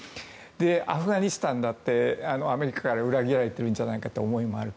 アフガニスタンだってアメリカから裏切られたんじゃないかという思いもある。